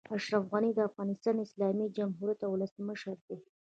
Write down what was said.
اشرف غني د افغانستان د اسلامي جمهوريت اولسمشر دئ.